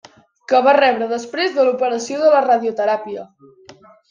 Que va rebre després de l'operació de la radioteràpia.